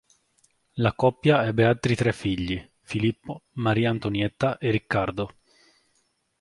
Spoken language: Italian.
La coppia ebbe altri tre figli: Filippo, Maria Antonietta e Riccardo.